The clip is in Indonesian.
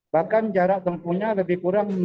bahkan jarak tempuhnya lebih kurang